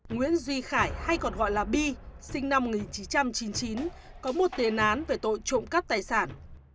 nguyễn duy khải hay còn gọi là bi sinh năm một nghìn chín trăm chín mươi chín có một tiền án về tội trộm cắt tài sản